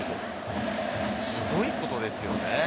すごいことですよね。